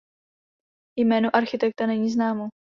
Jméno architekta není známo.